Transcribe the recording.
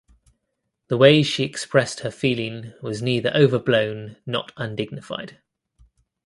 The way she expressed her feeling was neither overblown not undignified.